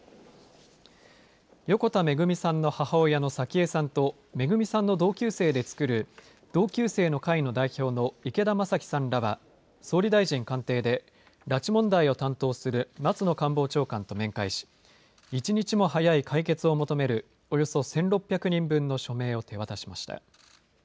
横田めぐみさんの母親の早紀江さんとめぐみさんの同級生でつくる同級生の会の代表の池田正樹さんらは総理大臣官邸で拉致問題を担当する松野官房長官と面会し一日も早い解決を求めるおよそ１６００人分の署名を手渡しました。